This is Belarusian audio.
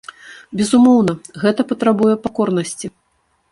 Безумоўна, гэта патрабуе пакорнасці.